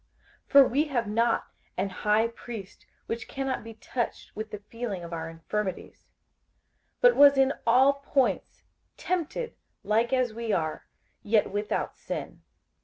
58:004:015 For we have not an high priest which cannot be touched with the feeling of our infirmities; but was in all points tempted like as we are, yet without sin.